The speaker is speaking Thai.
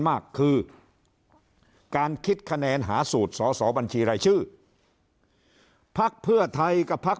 มากคือการคิดคะแนนหาสูตรสบัญชีไรชื่อภาคเพื่อไทยกับภาค